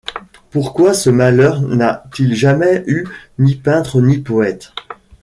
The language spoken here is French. Pourquoi ce malheur n’a-t-il jamais eu ni peintre ni poète?